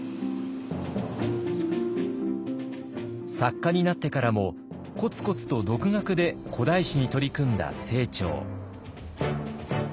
作家になってからもコツコツと独学で古代史に取り組んだ清張。